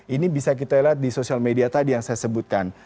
ini bisa kita lihat di sosial media tadi yang saya sebutkan